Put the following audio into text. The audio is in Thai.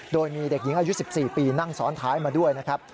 โดยมีเด็กหญิงอายุ๑๔ปีนั่งซ้อนท้ายมาด้วยนะครับ